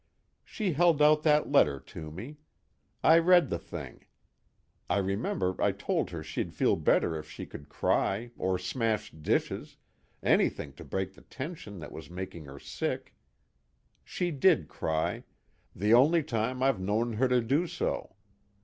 She held out that letter to me. I read the thing. I remember I told her she'd feel better if she could cry, or smash dishes, anything to break the tension that was making her sick. She did cry, the only time I've known her to do so.